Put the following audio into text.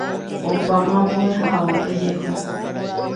Opáma mbo'ehaópe jeho.